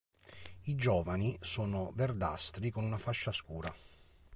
I giovani sono verdastri con una fascia scura.